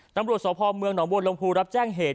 ตำรวจสพเมืองหนองบวนลมภูรับแจ้งเหตุ